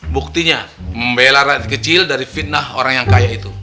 buktinya membela rakyat kecil dari fitnah orang yang kaya itu